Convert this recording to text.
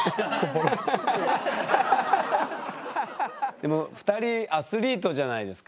でも２人アスリートじゃないですか。